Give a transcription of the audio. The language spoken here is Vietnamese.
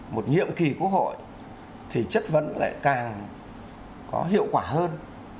một nhiệm kỳ quốc hội thì chất vấn lại càng có hiệu quả hơn